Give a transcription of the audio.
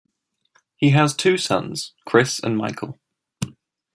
He has two sons, Chris and Michael.